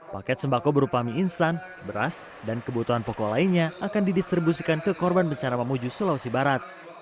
paket sembako berupa mie instan beras dan kebutuhan pokok lainnya akan didistribusikan ke korban bencana memuju sulawesi barat